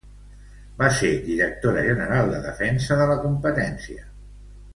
Va ser directora general de Defensa de la Competència.